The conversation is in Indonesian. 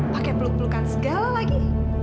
pakai peluk pelukan segala lagi